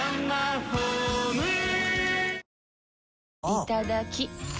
いただきっ！